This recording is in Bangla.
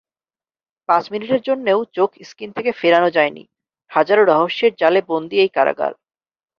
পাঁচ মিনিটের জন্যেও চোখ স্কিন থেকে ফেরানো যায়নি। হাজারো রহস্যের জ্বালে বন্দী এই কারাগার।